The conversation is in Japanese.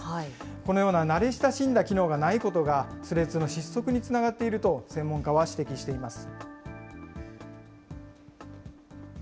このような慣れ親しんだ機能がないことがスレッズの失速につながっていると、専門家は指摘しています。